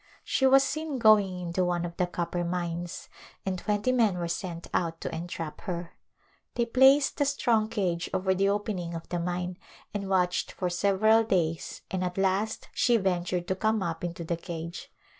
She was seen going into one of the copper mines and twenty men were sent out to entrap her. They placed a strong cage over the opening of the mine and watched for several days and at last she ventured to come up into the cage.